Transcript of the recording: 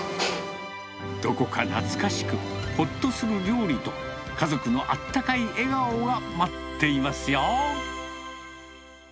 どこか懐かしく、ほっとする料理と、家族のあったかい笑顔が待っていますよ。